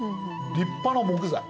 立派な木材。